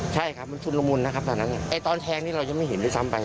ใช่ครับมันชุดละมุนนะครับตอนแทงนี้เราจะไม่เห็นได้ซ้ำไป